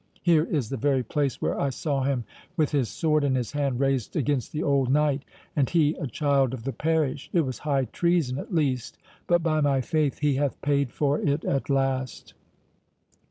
—Here is the very place where I saw him, with his sword in his hand raised against the old knight, and he a child of the parish—it was high treason at least—but, by my faith, he hath paid for it at last."